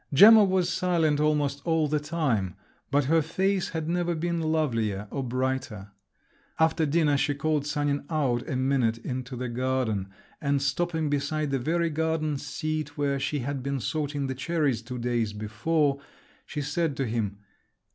Gemma was silent almost all the time, but her face had never been lovelier or brighter. After dinner she called Sanin out a minute into the garden, and stopping beside the very garden seat where she had been sorting the cherries two days before, she said to him.